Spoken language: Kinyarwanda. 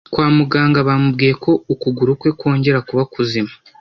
kwa mu ganga bamubwiye ko ukugurukwe kongera kuba kuzima